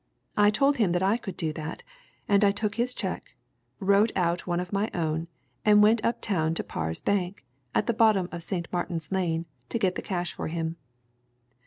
I told him that I could do that, and I took his cheque, wrote out one of my own and went up town to Parr's Bank, at the bottom of St. Martin's Lane, to get the cash for him.